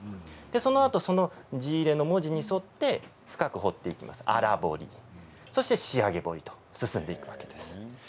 そのあと、その字入れの文字に沿って深く彫っていく荒彫り、そして仕上げ彫りと進んでいくわけです。